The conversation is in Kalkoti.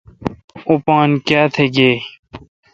اں پان کیا تھ گے°